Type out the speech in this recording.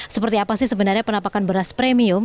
seperti apa sih sebenarnya penampakan beras premium